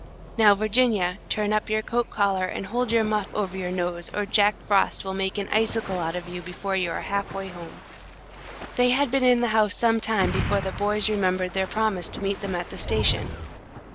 Now, Virginia, turn up your coat collar and hold your muff over your nose, or Jack Frost will make an icicle out of you before you are half way home. They had been in the house some time before the boys remembered their promise to meet them at the station.